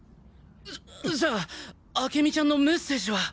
じゃあ明美ちゃんのメッセージは？